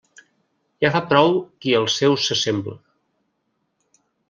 Ja fa prou qui als seus s'assembla.